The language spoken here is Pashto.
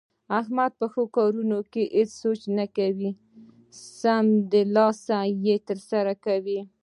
احمد په ښو کارونو کې هېڅ سوچ نه کوي، سمدلاسه یې ترسره کوي.